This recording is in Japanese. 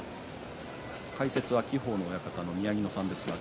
解説は輝鵬の親方の宮城野さんです。